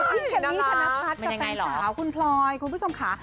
เคลลี่ธนพัฒน์กับแฟนสาวคุณพลอยคุณผู้ชมค่ะ